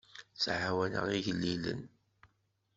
Ttɛawaneɣ igellilen.